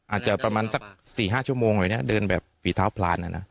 อาจจะประมาณสัก๔๕ชั่วโมงอะไรนะเดินแบบฝีเท้าพลานนะนะ